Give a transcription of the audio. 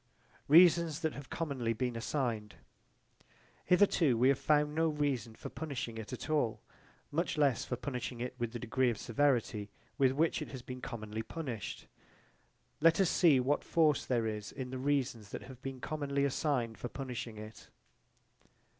Reasons that have commonly been assigned Hitherto we have found no reason for punishing it at all: much less for punishing it with the degree of severity with which it has been commonly punished. Let us see what force there is in the reasons that have been commonly assigned for punishing it.